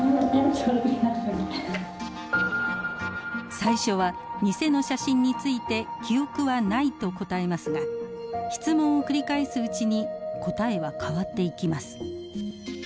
最初は偽の写真について記憶はないと答えますが質問を繰り返すうちに答えは変わっていきます。